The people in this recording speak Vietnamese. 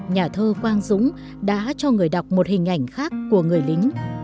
nhà thơ quang dũng đã cho người đọc một hình ảnh khác của người lính